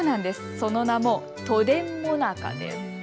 その名も都電もなかです。